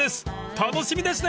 ［楽しみですね］